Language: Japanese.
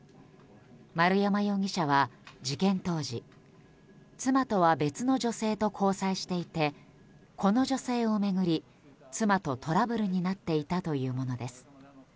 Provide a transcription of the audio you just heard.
丸山容疑者は事件当時妻とは別の女性と交際していてこの女性を巡り妻とトラブルになっていたというものです。